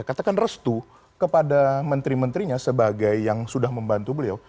katakan restu kepada menteri menterinya sebagai yang sudah membantu beliau